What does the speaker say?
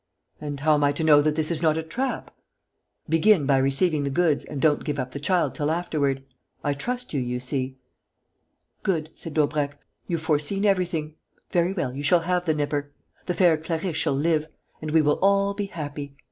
"And how am I to know that this is not a trap?" "Begin by receiving the goods and don't give up the child till afterward. I trust you, you see." "Good," said Daubrecq; "you've foreseen everything. Very well, you shall have the nipper; the fair Clarisse shall live; and we will all be happy.